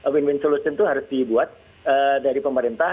win win solution itu harus dibuat dari pemerintah